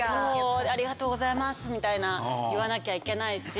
ありがとうございますみたいな言わなきゃいけないし。